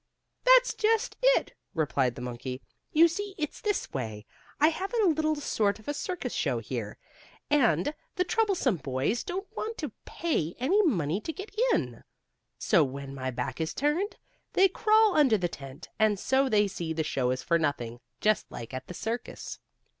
"That's just it," replied the monkey. "You see, it's this way. I have a little sort of a circus show here, and the troublesome boys don't want to pay any money to get in. So when my back is turned they crawl under the tent, and so they see the show for nothing just like at the circus."